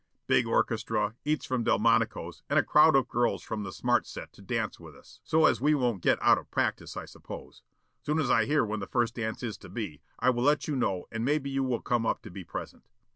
Big orchestra, eats from Delmonico's and a crowd of girls from the smart set to dance with us. So as we won't get out of practice, I suppose. Soon as I hear when the first dance is to be I will let you know and maybe you will come up to be present.